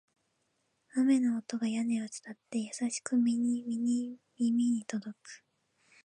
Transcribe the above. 雨の音が屋根を伝って、優しく耳に届く